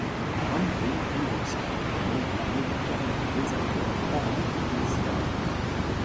En réalité, Dombrowski commande une armée de quarante mille déserteurs hormis quelques desesperados.